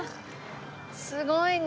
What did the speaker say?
すごいね。